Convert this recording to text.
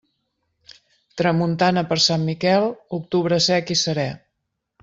Tramuntana per Sant Miquel, octubre sec i seré.